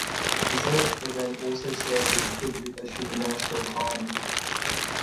The Zenith event also served as a tribute as she announced her retirement.